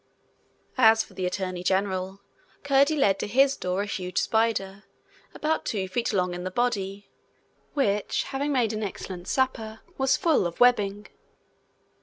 As for the attorney general, Curdie led to his door a huge spider, about two feet long in the body, which, having made an excellent supper, was full of webbing.